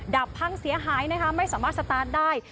ดับพังเสียหายนะคะไม่สามารถสตาร์ทได้